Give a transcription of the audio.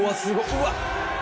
うわっ。